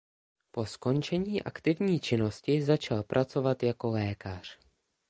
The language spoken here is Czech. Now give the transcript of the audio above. Po skončení aktivní činnosti začal pracovat jako lékař.